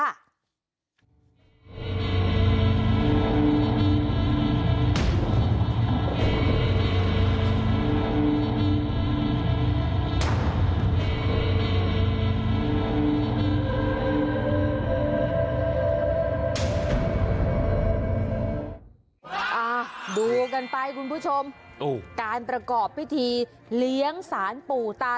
ดูกันไปคุณผู้ชมการประกอบพิธีเลี้ยงสารปู่ตา